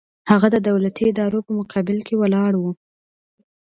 هغه د دولتي ادارو په مقابل کې ولاړ و.